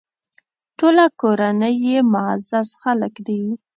ټوله کورنۍ یې معزز خلک دي.